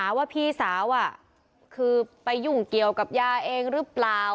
ว่าพี่สาวคือไปยุ่งเกี่ยวกับยาเองหรือเปล่า